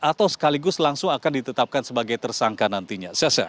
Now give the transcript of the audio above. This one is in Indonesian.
atau sekaligus langsung akan ditetapkan sebagai tersangka nantinya